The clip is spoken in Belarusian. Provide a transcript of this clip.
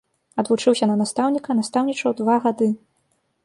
Адвучыўся на настаўніка, настаўнічаў два гады.